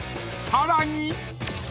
さらに］